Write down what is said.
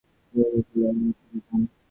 তিনি পুনরায় ল্যাঙ্কাশায়ার লীগে ফিরে যান।